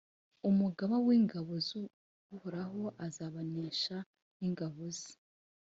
umugaba w’ingabo z’uhoraho azabanesha ni ngabo ze.